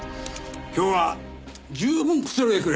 今日は十分くつろいでくれ。